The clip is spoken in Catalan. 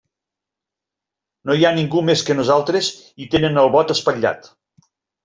No hi ha ningú més que nosaltres i tenen el bot espatllat.